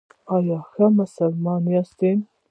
ایا ښه مسلمان یاست؟